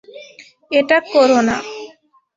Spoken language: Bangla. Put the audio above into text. এটা কোরো না!